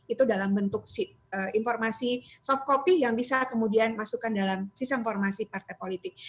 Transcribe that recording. itu dalam bentuk informasi soft copy yang bisa kemudian masukkan dalam sistem informasi partai politik